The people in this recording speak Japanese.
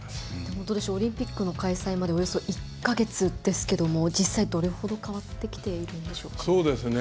オリンピックの開催までおよそ１か月ですけども実際、どれほど変わってきているんでしょうか？